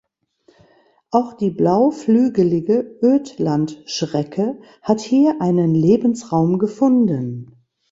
Auch die Blauflügelige Ödlandschrecke hat hier einen Lebensraum gefunden.